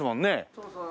そうそう。